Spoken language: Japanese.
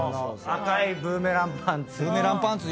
赤いブーメランパンツ。